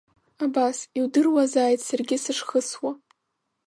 Абас, иудыруазааит саргьы сышхысуа.